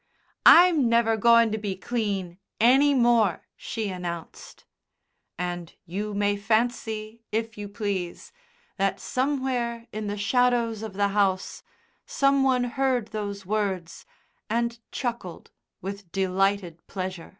"I'm never goin' to be clean any more," she announced. And you may fancy, if you please, that somewhere in the shadows of the house some one heard those words and chuckled with delighted pleasure.